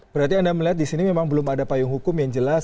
berarti anda melihat di sini memang belum ada payung hukum yang jelas